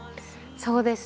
そうですね。